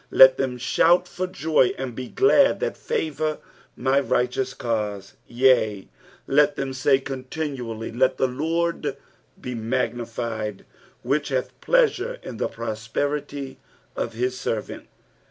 27 Let them shout for joy, and be glad, that favour my righteous cause ; yea, let them say continually. Let the LoRD be magnified, which hath pleasure in the prosperity of his servant.